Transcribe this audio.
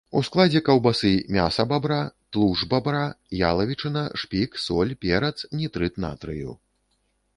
У складзе каўбасы мяса бабра, тлушч бабра, ялавічына, шпік, соль, перац, нітрыт натрыю.